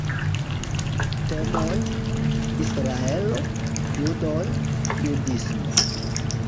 Temoj: Israelo, judoj, judismo.